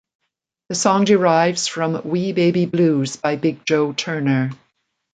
The song derives from "Wee Baby Blues" by Big Joe Turner.